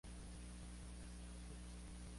Este juicio sólo pesa sobre el mundo malo.